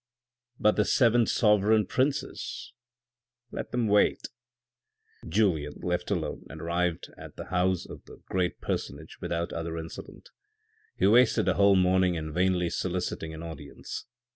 " But the seven sovereign princes ?"" Let them wait." Julien left alone, and arrived at the house of the great personage without other incident. He wasted a whole morning in vainly soliciting an audience.